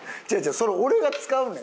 それ俺が使うねん。